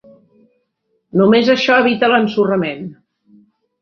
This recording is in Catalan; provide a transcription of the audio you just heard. Només això evita l'ensorrament.